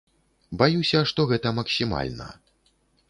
Баюся, што гэта максімальна.